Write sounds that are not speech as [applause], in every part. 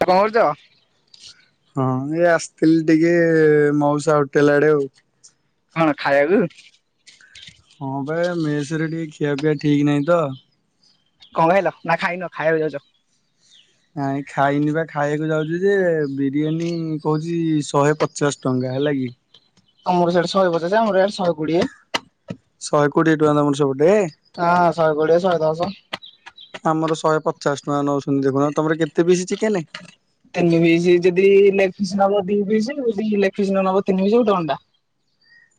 କଣ କରୁଚ? ହଁ ଏଇ ଆସିଥିଲି ଟିକେ ମାଉସା ହୋଟେଲ ଆଡେ ଆଉ। କଣ ଖାଇବାକୁ? ହଁ ଭାଇ ମେସ୍ ରେ ଟିକେ ଖିଆ ପିଆ ଠିକ୍ ନାହିଁ ତ। କଣ କହିଲ ନା ଖାଇନୁ ଖାଇବାକୁ ଯାଉଚୁ। ନାଇ ଖାଇନି ବା ଖାଇବାକୁ ଯାଉଛୁ ଯେ ବିରିୟାନୀ କହୁଛି ଶହେ ପଚାଶ୍ ଟଙ୍କା। ତାହା ଲାଗି। ଆମର ସେଠି ଶହେ ପଚାଶେ ଆମର ୟା ଡେ ଶହେ କୋଡିଏ। ଶହେ କୋଡ଼ିଏ ଟଙ୍କା ତମର ସେପ ହଁ ଶହେ କୋଡ଼ିଏ ଶହେ ଦଶ। ଆମର ଶହେ ପଚାଶ୍ ଟଙ୍କା ନଉଛନ୍ତି ଦେଖୁନ ତମର କେତେ ପିସ୍ ଚିକେନେ? ତିନି ପିସି ଯଦି ଲେଗ୍ ପିସ୍ ନବ ଦି ପିସ୍ ଯଦି ଲେଗ୍ ପିସ୍ ନ ନବ ତିନି ପିସ୍ ଗୋଟେ ଅଣ୍ଡା। [inaudible]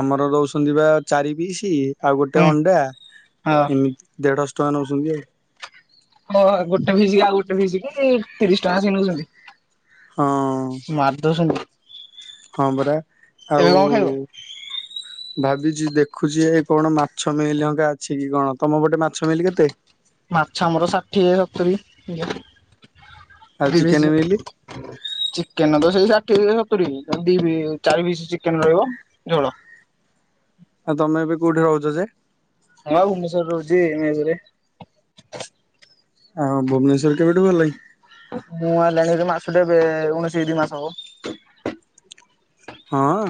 ଆମର ଦଉଛନ୍ତି ବା ଚାରି ପିସି ଆଉ ଗୋଟେ ହୁଁ ଅଣ୍ଡା ହଁ। ଏମିତି ଦେଢଶ୍ ଟଙ୍କା ନଉଛନ୍ତି ଆଉ। ହଁ ଗୋଟେ ଭିଜିକି ଆଉ ଗୋଟେ ଭିଜିକି ତିରିଶ ଟଙ୍କା ସିଏ ନଉଛନ୍ତି। ହଁ ମାରିଦଉଛନ୍ତି। ହଁ ପରା ଆଉ କଣ ଖାଇବ? ଭାବିଛି ଦେଖୁଛି ଏ କଣ ମାଛ ମିଲ୍ ଏ କା ଅଛି କି କଣ ତମ ପଟେ ମାଛ ମିଲ୍ କେତେ? ମାଛ ଆମର ଷାଠିଏ ସତୁରି। [inaudible] ଆଉ ଦି ପିସ୍ ଚିକେନ ମିଲି [inaudible] ଚିକେନେ ତ ସେଇ ଷାଠ୍ ଏ ସତୁରି ଦି ପି-ଚାରି ପିସ୍ ଚିକେନ ରହିବ ଝୋଳ। ଆଉ ତମେ ଏବେ କୋଉଠି ରହୁଛ ଯେ? ମୁଁ ବା ଭୁବନେଶ୍ୱର ରେ ରହୁଛି ମେସ୍ ରେ। ହଁ ଭୁବନେଶ୍ୱର କେବେଠୁ ଗଲଣି? ମୁଁ ଆଇଲେଣୀରେ ମାସଟେ ବେ- ଉଣେଇଶି ଦି ମାସ୍ ହବ। ହଁ।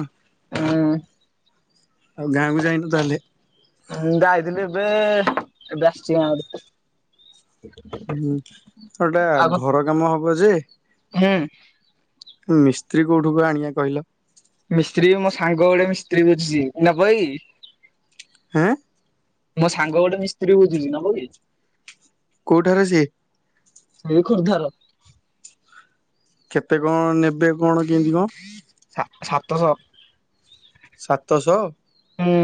ହୁଁ। ଆଉ ଗାଁକୁ ଯାଇନୁ ତାହେଲେ? ଯାଇଥିଲି ଏବେ-ଏବେ ଆସିଛି ଗାଁ ରୁ। ହୁଁ ଗୋଟା ଘର କାମ ହବ ଯେ ହୁଁ। ମିସ୍ତ୍ରୀ କୋଉଠୁକୁ ଆଣିବା କହିଲ? ମିସ୍ତ୍ରୀ ମୋ ସାଙ୍ଗ ଗୋଟେ ମିସ୍ତ୍ରୀ ବୁଜୁଛି ନବ କି? ଏଁ। ମୋ ସାଙ୍ଗ ଗୋଟେ ମିସ୍ତ୍ରୀ ବୁଝୁଛି ନବ କି? କୋଉ ଠାରୁ ସିଏ? ସେ ଖର୍ଦ୍ଧାର। କେତେ କଣ ନେବେ କଣ କେମିତି କଣ? ସାତଶହ। ସାତଶହ! ହୁଁ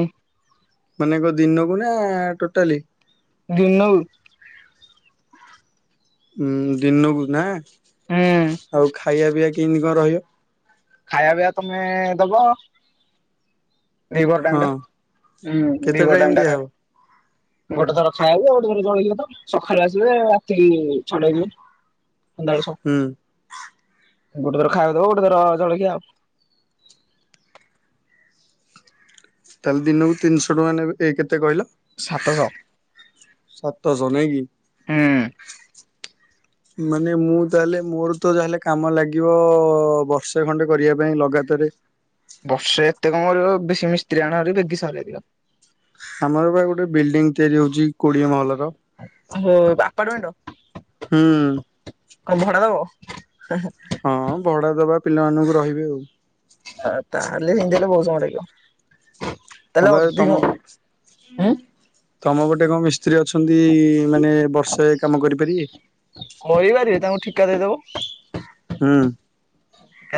ମାନେ କଣ ଦିନକୁ ନା ଟୋଟାଲି? ଦିନକୁ। ଉଁ, ଦିନକୁ ନା! ହୁଁ ଆଉ ଖାଇବା ପିଇବା କେମିତି କଣ ରହିବ? ଖାଇବା ପିଇବା ତମେ ଦବ ଦି ପହର ଟାଇମ୍ ଟା। ହଁ ହୁଁ, ଦିି କେତେ ପହର ଟାଇମ ଟାଇମ୍ ଟା ଦିଆହବ? ଖାଇ ଗୋଟେ ଥର ଖାଇବ, ଆଉ ଗୋଟେ ଥର [unintelligible] ସକାଳ ଆସିବେ ରାତିକି ଛ ଟା [unintelligible] ହୁଁ ଗୋଟେ ଥର ଖାଇବାକୁ ଦବ, ଗୋଟେ ଥର ଜଳଖିଆ ଆଉ। ତାହେଲେ ଦିନକୁ ତିନିଶହ ଟଙ୍କା ନେବେ। ଏ କେତେ କହିଲ? ସାତଶହ। ସାତଶହ ନାହିଁ କି! ହୁଁ [inaudible] ମାନେ ମୁଁ ତାହେଲେ ମୋର ତ ଯାହାହେଲେ କାମ ଲାଗିବ ବର୍ଷେ ଖଣ୍ଡେ କରିବା ପାଇଁ ଲଗାତାର ବର୍ଷେ ଏତେ କଣ କରିବ ବେଶୀ ମିସ୍ତ୍ରୀ ଆଣହେରି ବେଗି ସରିବ। ଆମର ବା ଗୋଟେ ବିଲ୍ଡିଂ ତିଆରି ହଉଛି କୋଡିଏ ମହଲ ହଁ, ଆପାର୍ଟମେଣ୍ଟ? ହୁଁ କଣ ଭଡା ଦବ? ହଁ, ଭଡା ଦବା ପିଲାମାନଙ୍କୁ ରହିବେ ଆଉ। ଆ ତା ହେଲେ [unintelligible] ବହୁତ ସମୟ ଲାଗିବ। ହଁ ତାହେଲେ ବା ଏ ଅଧିକ ତମକୁ ଉଁ ତମ ପଟେ କଣ ମିସ୍ତ୍ରୀ ଅଛନ୍ତି ମାନେ ବର୍ଷେ କାମ କରିପାରିବେ? କହିପାରିବେ ତାଙ୍କୁ ଠିକା ଦେଇଦବ। ହୁଁ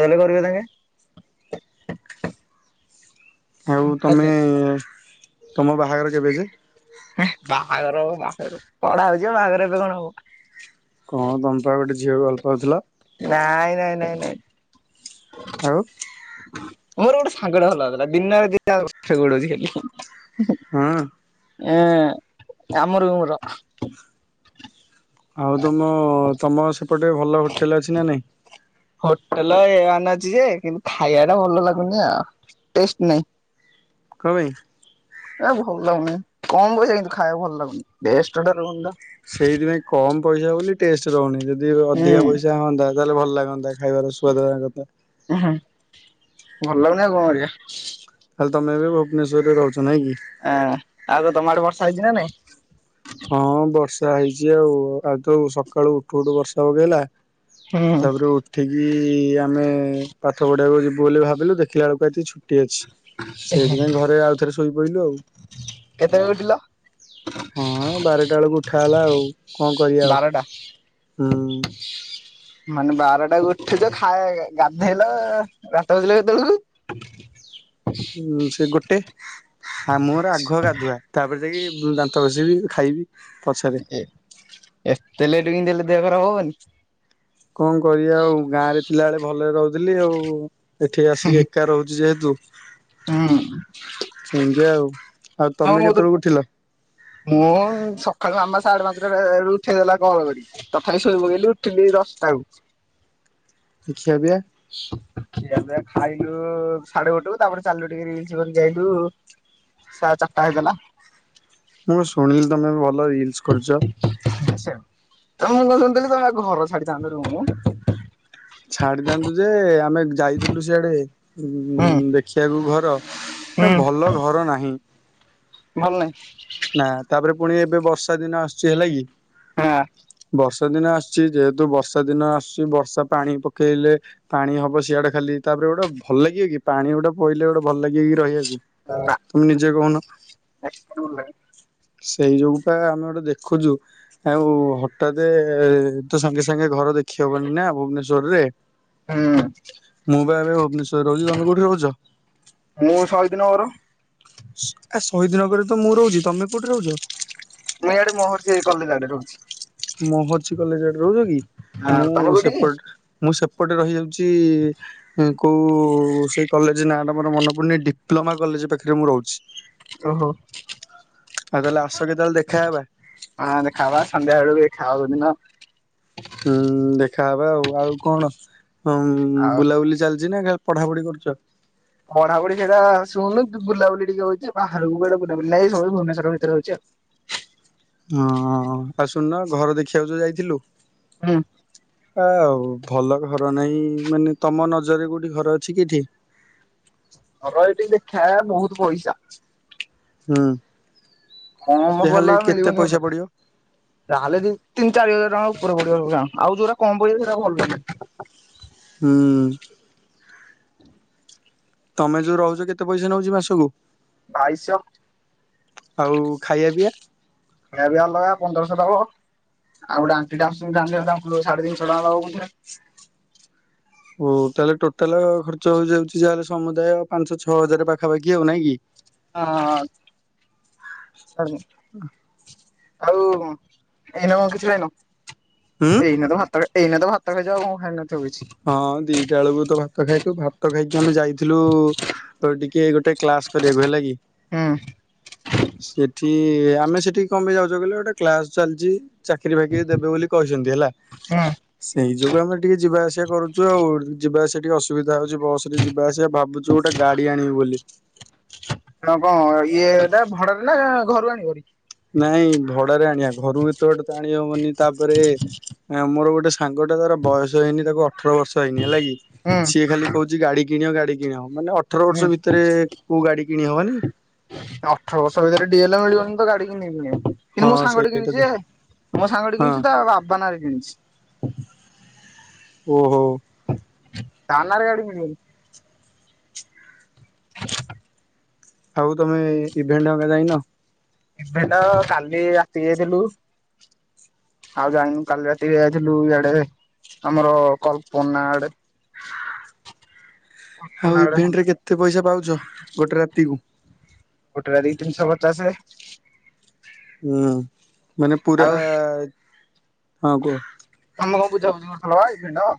ତାହେଲେ କରିବେ ତାଙ୍କେ। ଆଉ ତମେ, ତୁମ ବାହାଘର କେବେ ଯେ? ବାହାଘର ହବ ବାହାଘର ପଢା ହଉଛି ବାହାଘର ଏବେ କଣ ହବ। କଣ ତମେପା ଗୋଟେ ଝିଅକୁ ଭଲ ପାଉଥିଲ? ନାଇଁ ନାଇଁ ନାଇଁ ନାଇଁ। ଆଉ ମୋର ଗୋଟେ ସାଙ୍ଗଟା ଭଲ ଲାଗୁଥିଲା ଦିନରେ [unintelligible] ଖାଲି। ହଁ ହଁ, ଆମ ରୁମର। ଆଉ ତମ, ତମ ସେପଟେ ଭଲ ହୋଟେଲ ଅଛି ନା ନାଇଁ? ହୋଟେଲ ଏ ୱାନ ଅଛି ଯେ, କିନ୍ତୁ ଖାଇବା ଟା ଭଲ ଲାଗୁନି ଆଉ ଟେଷ୍ଟ ନାଇଁ। କଣ ପାଇଁ? ଏ ଭଲ ଲାଗୁନି। କମ ପଇସା କିନ୍ତୁ ଖାଇବାକୁ ଭଲ ଲାଗୁନି। ବେଷ୍ଟ ସେଇଥିପାଇଁ କମ ପଇସା ବୋଲି ଟେଷ୍ଟ ରହୁନି। ଯଦି ଅଧିକା ହୁଁ ପଇସା ହୁଅନ୍ତା ତାହେଲେ ଭଲ ଲାଗନ୍ତା ଖାଇବାର ସୁ୍ଆଦ ଭଲ ଲାଗୁନି ଆଉ କଣ କରିଆ। ତାହେଲେ ତମେ ଏବେ ଭୁବନେଶ୍ୱରରେ ରହୁଛ। ନାଇଁ କି? ହଁ, ଆଉ କଣ ତମ ଆଡେ ବର୍ଷା ହେଇଚି ନାଁ ନାଇଁ? ହଁ ବର୍ଷା ହେଇଛି ଆଉ। ଆଜି ତ ସକାଳୁ ଉଠୁ ଉଠୁ ବର୍ଷା ପକେଇଲା ହୁଁ ତାପରେ ଉଠିକି ଆମେ ପାଠ ପଢିବାକୁ ଯିବୁ ବୋଲି ଭାବିଲୁ ଦେଖିଲା ବେଳକୁ ଆଜି ଛୁ ଅଛି ସେଇଥିପାଇଁ ଘରେ ଆଉଥରେ ଶୋଇପଡ଼ିଲୁ ଆଉ। କେତେବେଳେ ଉଠିଲ। ହଁ ବାରଟା ଳକୁ ଉଠା ହେଲା ଆଉ କଣ କରିବା ଆଉ। ବାରଟା ହୁଁ। ମାନେ ବାରଟାକୁ ଉଠୁଛ ଖାଏ ଗାଧେଇଲ ଦାନ୍ତ ଘସିଲ କେତେବେଳକୁ? [inaudible] ସେ ଗୋଟେ ମୋର ଆଗ ଗାଧୁଆ ତାପରେ ଯାଇକି ଦାନ୍ତ ଘସିବି। ଏତେ ଲେଟ କେମିତ୍ ହେଲେ ଦେହ ଖରାପ ହବନି। କଣ କରିବା ଆଉ ଗାଁ ରେ ଥିଲା ବେଳେ ଭଲରେ ରହୁଥିଲି ଆଉ। ଏଠି ଆସିକି ଏକା ରହୁଛି ଯେହେତୁ। ହୁଁ ସେମିତି ଆଉ ଆଉ ହଁ ତମେ ମୁଁ ତ କେତେବେଳକୁ ଉଠିଲ? ମୁଁ ସଖାଳୁ ଆମେ ସାଢ଼େ ପା ଉଠେଇ ଦେଲା କଲ କରିକି ତଥାପି ଶୋଇପକେଇଲି ଉଠେଇଲି ଦଶଟାବେଳକୁ। [unintelligible] ଖିଆ ପିଆ ଖାଇଲୁ ସାଢେ ଗୋଟେକୁ ତାପରେ ଚାଲିଲୁ ଟିକେ ରିଲସ କରିକି ଆଇଲୁ। ସା ଚାରିଟା ହେଇଗଲା। ମୁଁ ଶୁଣିଲି ତମେ ଭଲ ରିଲ୍ସ କରୁଚ। ଆଛା ତ ମୁଁ କଣ ଶୁଣିଥିଲି ତମେ ପା ଘର ଛାଡିଥାନ୍ତ ରୁମୁ। ଛାଡିଥାନ୍ତୁ ଯେ ଆମେ ଯାଇଥିଲୁ ସିଆଡେ ଦେଖିବାକୁ ଘ ହୁଁ ଭଲ ଘର ନାହିଁ। ଭଲ ନାହିଁ। ନା ତାପରେ ପୁଣି ଏବେ ବର୍ଷା ଦିନ ଆସୁଚି ହେଲା କି। ହାଁ। ବର୍ଷା ଦିନ ଆସୁଚି ଯେହେତୁ ବର୍ଷା ଦିନ ଆସୁଚି ବର୍ଷା ପାଣି ପକେଇଲେ ପାଣି ହବ ସିଆଡେ ଖାଲି। ତାପରେ ଗୋଟେ ଭଲ ଲାଗିବ କି ପାଣି ଗୋଟେ ପଇଲେ ଗୋଟେ ଭଲ ଲାଗିବ କି ରହିବାକୁ ନା ତମେ ନିଜେ କହୁନ। [unintelligible] ସେଇ ଯୋଗୁପା ଆମେ ଗୋଟେ ଦେଖୁଚୁ ଆଉ ହଠାତେ ତ ସାଙ୍ଗେ ସାଙ୍ଗେ ଘର ଦେଖ [unintelligible] ନା ଭୁବନେଶ୍ୱର ରେ। ମୁଁ ପା ଏବେ ଭୁବନେଶ୍ଵରରେ ରହୁଚି ତମେ କୋଉଠି ରହୁଛ? ମୁଁ ସହିଦ ନଗର। ଏ ଶହୀଦିନଗରରେ ତ ମୁଁ ରହୁଛି ତମେ କୋଉଠି ରହୁଛ? କଲେଜେ ଆଡେ ରହୁଛି। ମୋହର୍ଛିି କଲେଜରେ ରହୁଛ କି ଆଉ ତମେ ମୁଁ କୋଉଠି କି? ସେପଟ ମୁଁ ସେ ଏପଟେ ରହିଯାଉଛି କୋଉ ସେଇ କଲେଜ ନାଁଟା ମୋର ମନେ ପଡୁନି ଡିପ୍ଲୋମା କଲେଜ। ଏ ପାଖରେ ମୁଁ ରହୁଛି। ଓହୋ ଆଉ ତାହେଲେ ଆସୁଛ କେତେବେଳେ ଦେଖାହବା। ହଁ [unintelligible] ହୁଁ ଦେଖାହବା ଆଉ ଆଉ କଣ ଆଉ ବୁଲାବୁଲି ଚାଲି ଛି ନା ଖାଲି ପଢାପଢି କରୁଛ। ପଢାପଢି ସେଇଟା ଶୁନୁ ବୁଲାବୁଲି ଟିକେ ହଉଛି ବାହାରକୁ କୁଆଡେ ବୁଲାବୁଲି ନାହିଁ ସବୁ ଭୁବନେଶ୍ୱର ଭିତରେ ହଉ ଛି ଆଉ ହଁ ଅ ଆଉ ଶୁନ୍‌ନା ଘର ଦେଖିବାକୁ ଯୋଉ ଯାଇଥିଲୁ। ହୁଁ। ଆଉ ଭଲ ଘର ନାହିଁ ମାନେ ତମ ନଜରରେ କୋଉଠି ଘର ଅଛି କି ଏଠି? ଘର ଏଇଠି ଦେଖା ବହୁତ ପଇସା। ହୁଁ। କମ ଯାହାହେଲେ ବାଲା କେତେ ମିଳିବନି ପଇସା ଭଲରେ ପଡିବ ତାହେଲେ ତିନି ଚାରି ହଜାର ଟଙ୍କା ଉପର ପଡୁ ଆଉ ଯୋଉରା କମ ପଇସା ସେଇଟା ଭଲ ନାହିଁ। ହୁଁ। ତମେ ଯୋଉ ରହୁଛ କେତେ ପଇସା ନଉଛି ମାସକୁ? ବାଇଶ ସହ। ଆଉ ଖାଇବା ପିଇବା। ଖାଇବା ବି ଅଲଗା ପନ୍ଦରଶହ ଦବ। ଆଉ [unintelligible] [inaudible] ଓ ତାହେଲେ ଟୋଟାଲ ଖର୍ଚ୍ଚ ହେଇଯାଉଛି ଯା ହେଲେ ସମୁଦାୟ ପାଞ୍ଚ ଛଅ ହଜାର ପାଖାପାଖି ଆଉ ନାଇଁ କି। ହଁ ହଁ ସରି। ଆଉ ଏଇ ନ କିଛି ଖାଇନୁ। ହୁଁ ଏଇ ନେ ତ ଭା ତ ଏଇନ ତ ଭାତ ଖାଇଛି। ଆଉ କଣ ଖାଇବି? ହଁ ଦିଟା ବେଳକୁ ତ ଭା ଭାତ ଖାଇଥିଲୁ। ଭାତ ଖାଇକି ଆମେ ଯାଇଥିଲୁ ଟିକେ ଗୋଟେ କ୍ଲାସ୍ କରିବାକୁ ହେଲା କି। ହୁଁ। ସେଠି ଆମେ ସେଠିକି କଣ ପାଇଁ ଯାଉଛ କହିଲ ଗୋଟେ କ୍ଲାସ ଚାଲିଛି। ଚାକିରି ବାକିରି ଦେବେ ବୋଲି କହିଛନ୍ତି ହେଲା। ସେଇ ଯୋଗୁ ଆମେ ଟିକେ ଯିବା ଆସ କରୁଚୁ ଆଉ। ଯିବା ଆସିବା ଟିକେ ଅସୁବିଧା ହଉଚି ବସ ରେ ଯିବା ଆସିବା। ଭାବୁଛି ଗୋଟେ ଗାଡି ଆଣିବି ବୋଲି। [inaudible] ହ କଣ ଇଏ ଏଟା ଭଡାରେ ନା ଘରୁ ଆଣିବ ହାରି। ନାଇଁ ଭଡାରେ ଆଣିବା। ଘରୁ ଏତେ ବାଟେ ତ ଆଣି ହବନି। ତାପରେ ମୋର ଗୋଟେ ଗୋ ସାଙ୍ଗ ଟା ତାର ବୟସ ହେଇନି। ତାକୁ ଅଠର ବର୍ଷ ହେଇନି ହେଲା କିି। ହୁଁ ସିଏ ଖାଲି କହୁଛି ଗାଡି କିଣିବ ଗାଡି କିଣ। ହୁଁ କିଣି ହବନି ଅଠର ବର୍ଷ ଭିତରେ ଡିଏଲା ମିଳିବନି। ଗାଡି କି ନେଇନି କିନ୍ତୁ ହଁ ମୁଁ ସାଙ୍ଗ ସେଇଟା କିଣିଛି ଯେ ତ ମୋ ସାଙ୍ଗ ହଁ କିଣିଛି। ତା ବାବା ନାଁରେ କିଣିଛି। ଉ ହୁ। ଓହୋ। ତା ନାରେ ଗାଡି ମିଳିବନି। ଆଉ ତମେ ଇଭେଣ୍ଟ ଆଡେ ଯାଇନ। ଇଭେଣ୍ଟ କାଲି ରାତିି ଯାଇଥିଲୁ। ଆଉ ଜଣୁ କାଲି ରାତି ଯ ଯାଇଥିଲୁ ଇଆଡେ ଆମର କଲ୍ପନା ଆଡେ। କଳ୍ପନା ଆଉ ଆଡେ ଇଭେଣ୍ଟ ରେ କେତେ ପଇସା ପାଉଛ? ଗୋଟେ ରାତି କୁ। ଗୋଟେ ରାତିକୁ ତିନିଶହ ପଚାସେ। ହୁଁ ମାନେ ପୁରା ଆଉ ହଁ କୁହ। ତମେ କଣ ବୁଝାବୁଝି କରୁଥିଲ ପା ଇଭେଣ୍ଟ।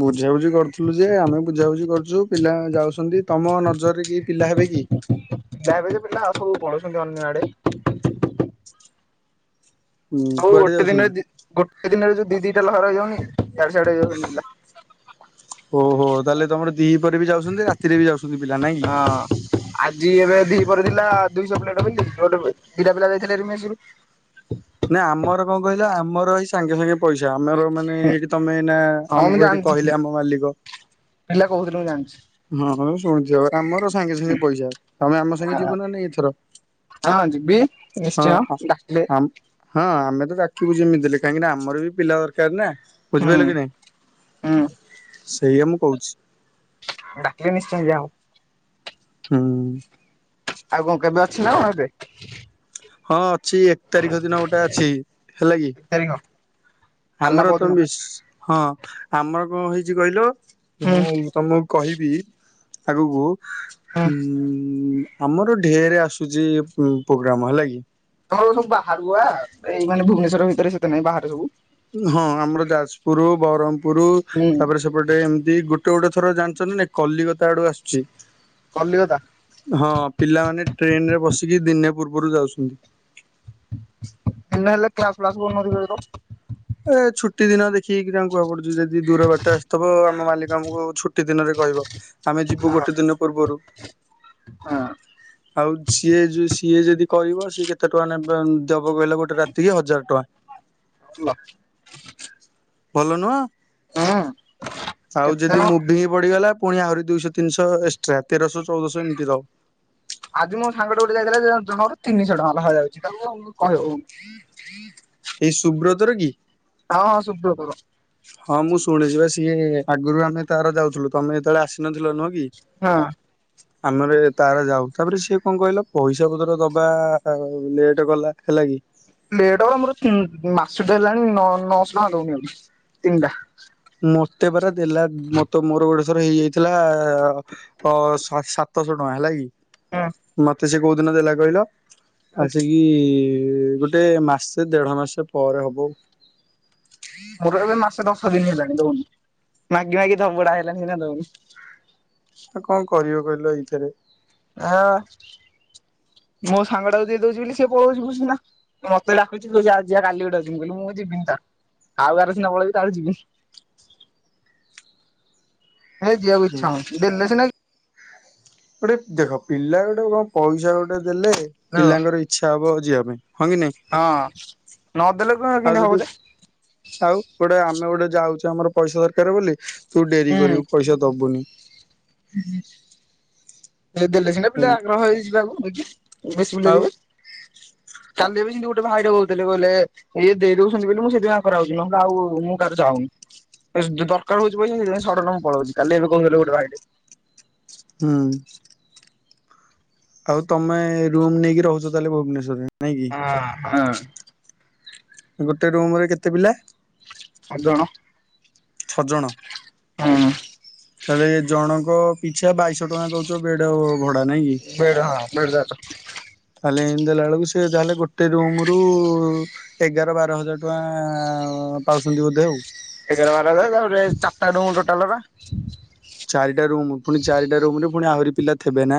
ବୁଝାବୁଝି କରୁଥିଲୁ ଯେ ଆମେ ବୁଝାବୁଝି କରୁଛୁ ପିଲା ଯାଉଛନ୍ତି। ତମ ନଜରରେ କି ପିଲା ହେବେ କି? ପିଲା ହେବେ ଯେ ପିଲା ଆଉ ସବୁ ପଳୁଛନ୍ତି ଅନ୍ୟ ଆଡେ। ହୁଁ ହଉ କୁଆଡେ ଗୋଟେ ଦିନରେ ଯାଉଛନ୍ତି? ଦି ଗୋଟେ ଦିନରେ ଯି ଦି ଦିଟା ଲହର ହେଇ ଯାଉନି। ଇଆଡେ ସାଇଡ ଓହୋ ତାହେଲେ ତମର ଦି ପରେ ବି ଯାଉଛନ୍ତି ରାତିରେ ବି ଯାଉଛନ୍ତି ପିଲା ନାଇଁ କି। ହଁ ଆଜି ଏବେ ଦୁଇଶହ ପିଲା ବୋଳୁ ଦିଟା ପିଲା ଯାଇଥିଲେ ମେସେ ରୁ। ନା ଆମର କଣ କହିଲା ଆମର ଏଇ ସାଙ୍ଗେ ସାଙ୍ଗେ ପଇସା ଆମର ମାନେ ହେଇକି ତମେ ଏଇନା ହଁ ମୁଁ ଆମକୁ ଏଇଠି ଜାଣିଛି କହିଲେ ଆମ ମାଲିକ। ପିଲା କହୁଥିଲେ ମୁଁ ଜାଣିଛି। ହଁ ହୋଉ ଶୁଣିଥୁବ। ଆମର ସାଙ୍ଗେ ସାଙ୍ଗେ ପଇସା ତମେ ଆମ ସାଙ୍ଗେ ଯିବ ନା ନାଇଁ ଏଥର। ହଁ ଯିିବି ହଁ ନିଶ୍ଚୟ ଡାକିଲେ। ଆମ ହଁ ଆମେ ତ ଯାକିବୁ ଯେମିତି ଦେଲେ। କାହିଁକିନା ଆମର ବି ପିଲା ଦରକାର ନା। ବୁଝିପାରିଲ ହୁଁ କି ନାଇଁ? ହୁଁ। ସେଇଆ ମୁଁ କହୁଛି। ଡାକିଲେ ନିଶ୍ଚୟ ଯିବା ଆଉ। ହୁଁ। ଆଉ କଣ କେବେ ଅଛି ନା କଣ ରେ। ହଁ ଅଛି ଏକ ତାରିଖ ଦିନ ଗୋଟେ ଅଛି। ହେଲା କି। ତାରିଖ କାଲି ନା ଆମର ତ ପରଦିନ? ମିସ୍ ହଁ ଆମର କଣ ହେଇଛି କହିଲ ହୁଁ ମୁଁ ତମକୁ କହିବି ଆଗକୁ। ହୁଁ ହଁ ଆମର ଢେରେ ଆସୁଛି ପୋଗ୍ରାମ ହେଲା କି। ତମର ସବୁ ବାହରୁ ଆ ଏଇ ମାନେ ଭୁବନେଶ୍ଵର ଭିତରେ ସେତେ ନାଇଁ ବାହାରେ ସବୁ। ହଁ ଆମର ଯାଜପୁର ବରମପୁର ହୁଁ ତାପରେ ସେପଟେ ଏମିତି ଗୋଟେ। ଗୋଟେ ଗୋଟେ ଥର ଜାଣିଛନ୍ତି ନା କଲିକତା ଆଡୁ ଆସୁଛି କଲିକତା ହଁ ପିଲାମାନେ। ଟ୍ରେନ ରେ ବସିକି ଦିନେ ପୂର୍ବରୁ ଯାଉଛନ୍ତି। ଏଲେ ହେଲେ କ୍ଲାସ ପ୍ଲାସ କରୁନଥିବେତ। ଏ ଛୁଟି ଦିନ ଦେଖିକି ଯା କୁହା ପଡିବ। ଯଦି ଦୂର ବାଟ ଆସିଥିବ ଆମ ମାଲିକ ଆମକୁ ଛୁଟି ଦିନରେ କହିବ ଆମେ ଯିବୁ ଗୋଟେ ଦିନ ପୂର୍ବରୁ। ହ ହଁ। ଆଉ ସିଏ ସିଏ ଯଦି କଈବ ସିଏ କେତେ ଟଙ୍କା ନେ ଦେବ କହିଲ ଗୋଟେ ରାତିକି ହଜାର ଟଙ୍କା। ହୁଁ ଭଲ ନୁହଁ ଆଉ କେତେ ଯଦି ମୁଭି ହିଁ ପଡିଗଲା। ପୁଣି ଆହୁରି ଦୁଇଶହ ତିନିଶହ ଏକ୍ସଟ୍ରା ତେରଶହ ଚଉଦଶହ ଏମିତି ରହୁ। ଆଜି ମୋ ସାଙ୍ଗ ଟେ ଗୋଟେ ଯାଇଥିଲା ଜଣଙ୍କର ତିନିଶହ ଟଙ୍କା ଲେଖା ଯାଉଛି ତା। ଏଇ ସୁୁବ୍ରତର କି। ହଁ ହଁ ସୁବ୍ରତର। ହଁ ମୁଁ ଶୁଣିଛି ବା ସିଏ ଆଗରୁ ଆମେ ତାର ଯାଉଥିଲୁ ତମେ ଯେତେବେଳେ ଆସିନଥିଲ ନୁହଁ କି। ହଁ। ଆମର ଏ ତାର ଯାଉ ତାପରେ ସିଏ କଣ କହିଲ ପଇସା ପତ୍ର ଦବା ଲେଟ କଲା ହେଲା କି। ଲେଟ୍ ହେଲା ମୋର ମାସଟା ହେଲାଣି ନଅ ନଅଶହ ଟଙ୍କା ଦଉନି ଆଉ। ତିନଟା। ମତେ ପରା ଦେଲା ମତେ ମୋର ଗୋଟେଥର ଇଏ ହେଇଥିଲା ଅ ସା ସାତଶହ ଟଙ୍କା ହେଲା କି ହୁଁ ମତେ ସେ କୋଉ ଦିନ ଦେଲା କହିଲ। ଆସିକି ଗୋଟେ ମାସ୍ ସେ ଦେଢ଼ ମାସ ପରେ ହବ। ମୋର ଏବେ ମାସେ ଦଶ ଦିନ ହେଲାଣି ଦଉନି ମାଗି ମାଗି ଧବଡା ହେଲାଣି ନା ଦଉନି। ଆ କଣ କରିବ କହିଲ ଏଇଥିରେ। ଆଁ। ମୋ ସାଙ୍ଗଟାକୁ ଯିଏ ଦଉଛି ବୋଲି ସିଏ ପଳଉଚି ଭୁସ୍ କିନା ମତେ ଡାକୁଚି ଆ ଯିବା କାଲି ଗୋଟେ ଅଛି ମୁଁ କହିଲି ମୁଁ। ଯିବିନି ତ ଆଉ କାହାର ସିନା ପଳେଇବି ତାର ଯିବିନି। ହେ ଯିବାକୁ ଇଛା ହଉନି ଦେଲେ ସିନା କି। ଗୋଟେ ଦେଖ ପିଲା ଗୋଟେ କଣ ପଇସା ଗୋଟେ। ଦେଲେ ପିଲାଙ୍କର ଇଚ୍ଛା ହବ ଯିବାପାଇଁ ହଁ କି ନାଇଁ। ହଁ। ନଦେଲେ କଣ କେମିତି ଆଉ ହବ ଯଦି ଯେ ଆଉ ଗୋଟେ ଆମେ ଗୋଟେ। ଯାଉଛି ଆମର ପଇସା ଦରକାର ବୋଲି। ତୁ ଡେରି କରିବୁ ପଇସା ଦବୁନି। ଦେଲେ ସିନା ପିଲା ଆଗ୍ରହ ହେଇ ଯିବାକୁ ନେଇକି ବେଶୀ ପିଲା ଆଉ ଯିବେ କାଲିବେ ସେମତି ଗୋଟେ। ଗୋଟେ ଭାଇଟେ କହୁଥିଲେ କହିଲେ ଇଏ ଦେଇ ଦଉଛନ୍ତି ବୋଲି ମୁଁ ସେଥି ପାଇଁ ଆକଁର ଆଉଛି ନହେଲେ ଆଉ ମୁଁ କାହାର ଯାଉନି। ଦରକାର ହଉଛି ପଇସା ସେଇଥିପାଇଁ ସଡନ୍ ଡ ମୁଁ ପଳଉଛି କାଲି ଏବେ କହୁ ଗୋଟେ ଭାଇରେ। ହୁଁ ଆଉ ତମେ ରୁମ ନେଇକି ରହୁଛ ତାହେଲେ ଭୁବନେଶ୍ଵରରେ। ନାଇଁ କି ହଁ ହଁ। ଗୋଟେ ରୁମ୍ ରେ କେତେ ପିଲା। ଛଅ ଜଣ। ଛଅ ଜଣ। ହୁଁ ତାହେଲେ ଏ ଜଣଙ୍କ ପିଛା ବାଇଶହ ଟଙ୍କା ଦଉଛ ବେଡ ଆଉ। ବେଡ ହଁ ବେଡ ଯ ତାହଲେ ଏମତି ଦେଲା ବେଳକୁ ସେ ଯହେଲେ ଗୋଟେ ରୁମ ରୁ ଏଗାର ବାର ହଜାର ଟଙ୍କ ଆଁ ପାଉଛନ୍ତି ବୋଧେ ଆଉ। ଏଗାର ବାର ତାପରେ ଚାରିଟା ରୁ ଟୋଟାଲବା। ଚାରିଟା ରୁମ୍ ପୁଣି ଚାରିଟା ରୁମ ରେ ପୁଣି ଆହୁରି ପିଲା ଥିବେ ନା